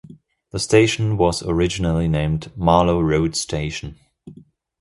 The station was originally named Marlow Road station.